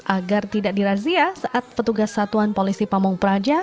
agar tidak dirazia saat petugas satuan polisi pamung praja